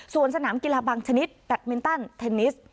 ส่วนสนามกีฬาบางชนิดตัดเมนเติร์นเท็นนิส